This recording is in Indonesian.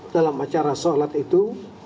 dalam acara sholat itu